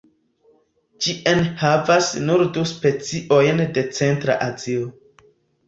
Ĝi enhavas nur du speciojn de centra Azio.